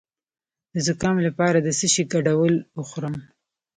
د زکام لپاره د څه شي ګډول وخورم؟